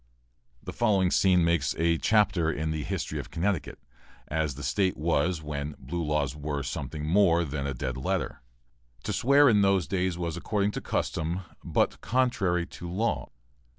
The following scene makes a chapter in the history of Connecticut, as the State was when "blue laws" were something more than a dead letter. To swear in those days was according to custom, but contrary to law.